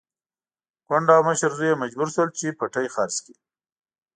کونډه او مشر زوی يې مجبور شول چې پټی خرڅ کړي.